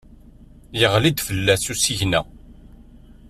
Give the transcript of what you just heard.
Yeɣli-d fell-as usigna.